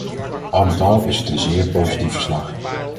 Al met al is het een zeer positief verslag.